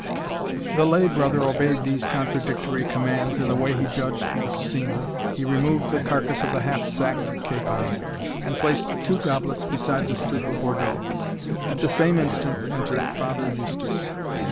The lay brother obeyed these contradictory commands in the way he judged most seemly he removed the carcass of the half sacked capon, and placed two goblets beside the stoup of Bourdeaux. At the same instant entered Father Eustace.